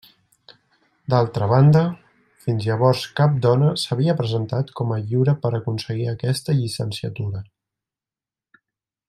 D'altra banda, fins llavors cap dona s'havia presentat com a lliure per aconseguir aquesta llicenciatura.